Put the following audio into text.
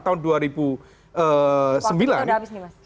waktu itu udah habis nih mas